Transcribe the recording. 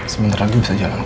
sebentar lagi bisa jalan kok